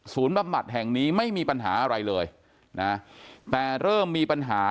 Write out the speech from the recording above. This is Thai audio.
บำบัดแห่งนี้ไม่มีปัญหาอะไรเลยนะแต่เริ่มมีปัญหา